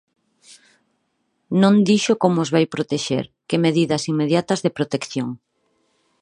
Non dixo como os vai protexer, que medidas inmediatas de protección.